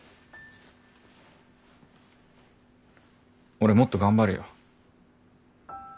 俺もっと頑張るよ。